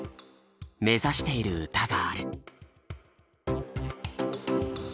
目指している歌がある。